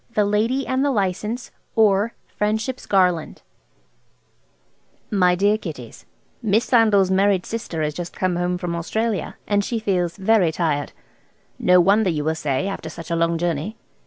THE LADY AND THE LICENSE; OR, FRIENDSHIP'S GARLAND "MY DEAR KIDDIES,–Miss Sandal's married sister has just come home from Australia, and she feels very tired. No wonder you will say, after such a long journey.